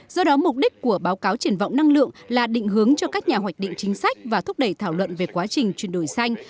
do đó mục đích của báo cáo triển vọng năng lượng là định hướng cho các nhà hoạch định chính sách và thúc đẩy thảo luận về quá trình chuyển đổi xanh